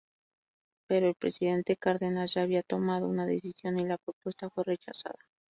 Pero el presidente Cárdenas ya había tomado una decisión, y la propuesta fue rechazada.